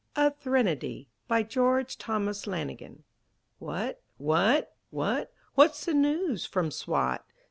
A THRENODY BY GEORGE THOMAS LANIGAN What, what, what, What's the news from Swat?